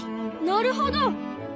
なるほど。